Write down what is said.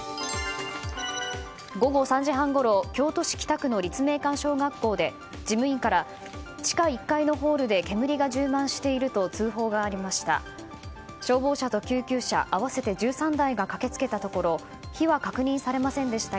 午後３時半ごろ京都市北区の立命館小学校で事務員から地下１階のホールで煙が充満していると通報がありました。